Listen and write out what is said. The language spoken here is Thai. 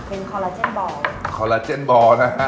เป็นคอลลาเจนบอร์คอลลาเจนบอร์นะฮะ